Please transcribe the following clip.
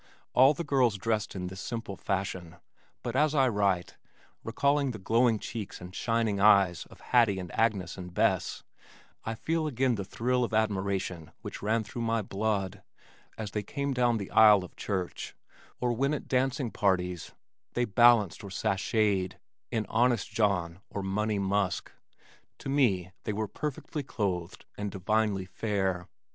All the girls dressed in this simple fashion, but as I write, recalling the glowing cheeks and shining eyes of Hattie and Agnes and Bess, I feel again the thrill of admiration which ran through my blood as they came down the aisle at church, or when at dancing parties they balanced or "sashayed" in Honest John or Money Musk. To me they were perfectly clothed and divinely fair.